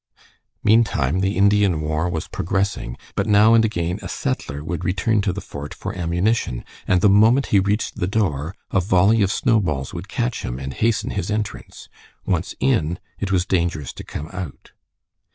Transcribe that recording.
Meantime, the Indian war was progressing, but now and again a settler would return to the fort for ammunition, and the moment he reached the door a volley of snowballs would catch him and hasten his entrance. Once in it was dangerous to come out.